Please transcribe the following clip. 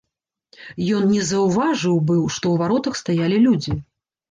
Ён не заўважыў быў, што ў варотах стаялі людзі.